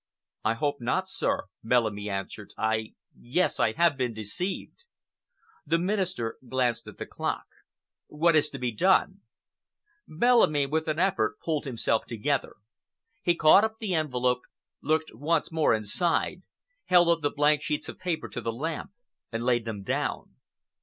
"I hope not, sir," Bellamy answered. "I—yes, I have been deceived." The Minister glanced at the clock. "What is to be done?" he asked. Bellamy, with an effort, pulled himself together. He caught up the envelope, looked once more inside, held up the blank sheets of paper to the lamp and laid them down.